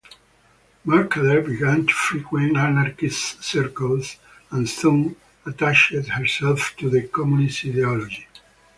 Mercader began to frequent anarchist circles and soon attached herself to the communist ideology.